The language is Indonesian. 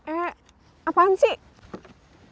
eh apaan sih